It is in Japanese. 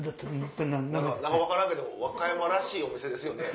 何か分からんけど和歌山らしいお店ですよね。